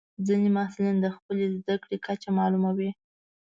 ځینې محصلین د خپلې زده کړې کچه معلوموي.